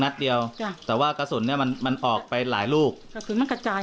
นัดเดียวจะว่ากระสุนเนี่ยมันมันออกไปหลายลูกมันกระจาย